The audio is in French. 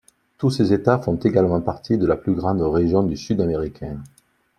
Tous ces États font également partie de la plus grande région du Sud américain.